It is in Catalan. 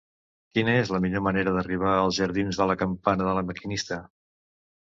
Quina és la millor manera d'arribar als jardins de la Campana de La Maquinista?